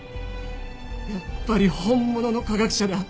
やっぱり本物の科学者だ。